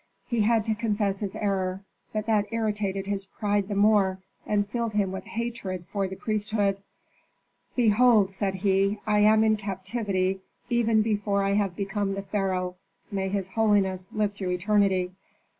He had to confess his error, but that irritated his pride the more and filled him with hatred for the priesthood. "Behold," said he, "I am in captivity even before I have become the pharaoh, may his holiness live through eternity.